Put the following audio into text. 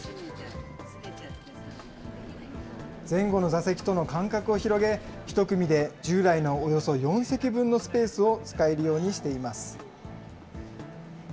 前後の座席との間隔を広げ、１組で従来のおよそ４席分のスペースを使えるようにしています。